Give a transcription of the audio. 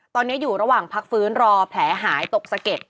ตอนนี้อยู่ระหว่างพักฟื้นรอแผลหายตกสะเก็ด